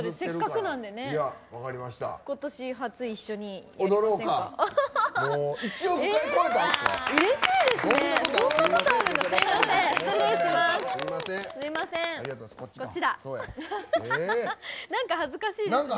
なんか恥ずかしいですね。